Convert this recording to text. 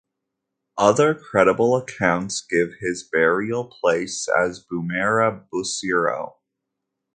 Other credible accounts give his burial place as Bumera Busiro.